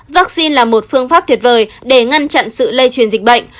vaccine là một phương pháp tuyệt vời để ngăn chặn sự lây truyền dịch bệnh